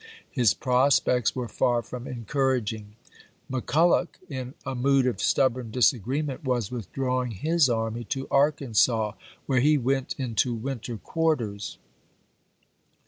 His prospects were far from encouraging. McCulloch, in a mood of stubborn disagreement, was withdrawing his army to Arkansas, where he went into winter quarters.